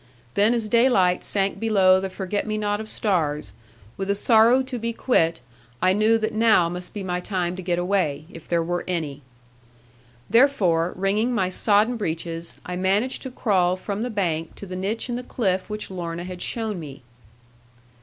Then as daylight sank below the forget me not of stars, with a sorrow to be quit, I knew that now must be my time to get away, if there were any. Therefore, wringing my sodden breaches, I managed to crawl from the bank to the niche in the cliff which Lorna had shown me.